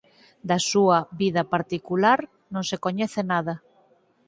Da súa vida particular non se coñece nada.